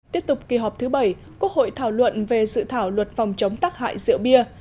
tiếp tục kỳ họp thứ bảy quốc hội thảo luận về dự thảo luật phòng chống tác hại rượu bia